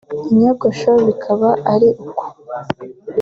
inyogosho bikaba ari uko